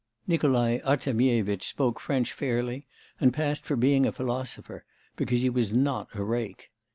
Nikolai Artemyevitch spoke French fairly, and passed for being a philosopher, because he was not a rake.